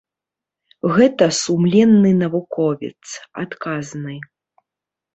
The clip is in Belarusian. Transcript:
Гэта сумленны навуковец, адказны.